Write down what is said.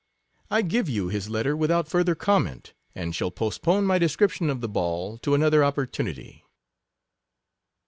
I give you his letter without fur ther comment, and shall postpone my de scription of the ball to another opportunity.